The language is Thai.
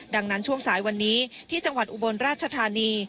ดังนั้นช่วงสายวันนี้ที่จังหวัดอุบลราชธานี